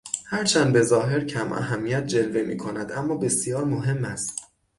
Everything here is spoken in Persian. هر چند به ظاهر کماهمیت جلوه میکند اما بسیار مهم است